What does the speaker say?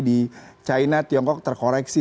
di china tiongkok terkoreksi